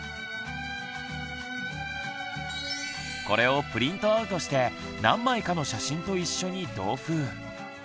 これをプリントアウトして何枚かの写真と一緒に同封。